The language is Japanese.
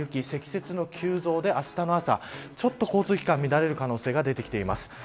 積雪の急増で、あしたの朝ちょっと交通機関が乱れる可能性が出てきます。